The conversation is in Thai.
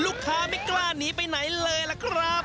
ลูกค้าไม่กล้าหนีไปไหนเลยล่ะครับ